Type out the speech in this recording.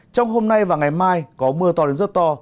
trong hôm nay và ngày mai có mưa to đến rất to